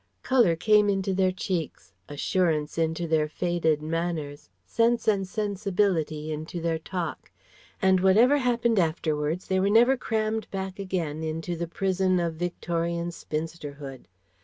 Colour came into their cheeks, assurance into their faded manners, sense and sensibility into their talk; and whatever happened afterwards they were never crammed back again into the prison of Victorian spinsterhood.